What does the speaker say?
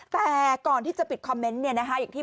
แต่ก่อนที่จะปิดคอมเมนต์